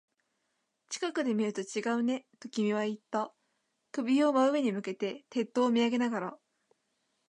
近くで見ると違うね、と君は言った。首を真上に向けて、鉄塔を見上げながら。